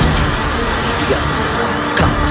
selasi selasi bangun